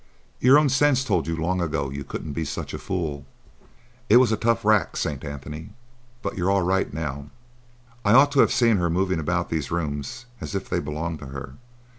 Your own sense told you long ago you couldn't be such a fool. It was a tough rack, St. Anthony, but you're all right now." "I oughtn't to have seen her moving about these rooms as if they belonged to her.